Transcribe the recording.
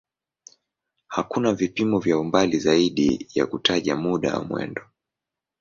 Hakuna vipimo vya umbali zaidi ya kutaja muda wa mwendo.